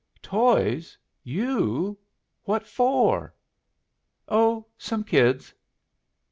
"Toys! You? What for?" "Oh, some kids."